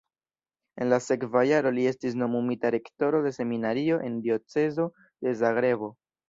En la sekva jaro li estis nomumita rektoro de seminario en diocezo de Zagrebo.